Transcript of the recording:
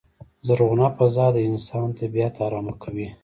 زرغونه فضا د انسان طبیعت ارامه کوی.